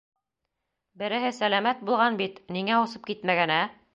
— Береһе сәләмәт булған бит, ниңә осоп китмәгән, ә?